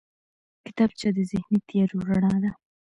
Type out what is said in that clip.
کتابچه د ذهني تیارو رڼا ده